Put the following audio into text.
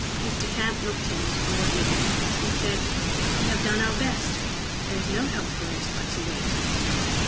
Mr. Camp looked in, toward evening, and said, "We have done our best. There is no help for it but to wait."